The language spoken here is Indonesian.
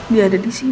dia ada disini